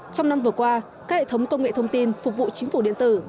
trong năm vừa qua các hệ thống công nghệ thông tin phục vụ chính phủ điện tử